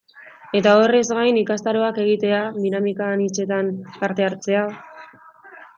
Eta horrez gain ikastaroak egitea, dinamika anitzetan parte hartzea...